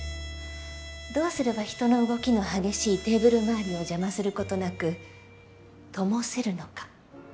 どうすれば人の動きの激しいテーブル周りを邪魔することなく灯せるのか。